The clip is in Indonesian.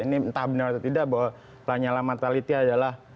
ini entah benar atau tidak bahwa lanyala mataliti adalah